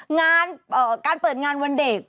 งานการเปิดงานวันเด็ก